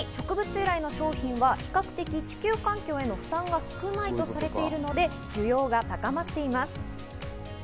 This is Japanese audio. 由来の食品は、比較的、地球環境への負担が少ないとされていて、需要が高まっています。